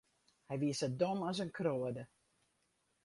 Hy wie sa dom as in kroade.